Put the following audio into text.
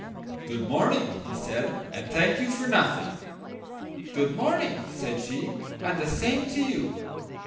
"Good morning," he said, "and thank you for nothing." "Good morning," said she, "and the same to you."